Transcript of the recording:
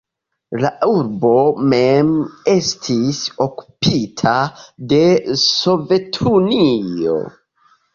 La urbo mem estis okupita de Sovetunio.